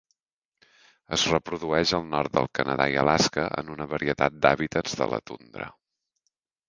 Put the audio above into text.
Es reprodueix al nord del Canadà i Alaska en una varietat d'hàbitats de la tundra.